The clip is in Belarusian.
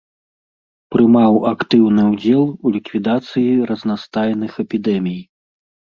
Прымаў актыўны ўдзел у ліквідацыі разнастайных эпідэмій.